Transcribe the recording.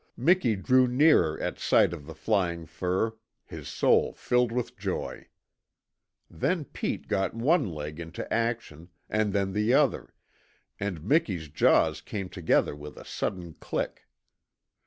Miki drew nearer at sight of the flying fur, his soul filled with joy. Then Pete got one leg into action, and then the other, and Miki's jaws came together with a sudden click.